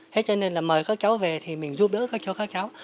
thế cho nên là mời các cháu về thì mình giúp đỡ các cháu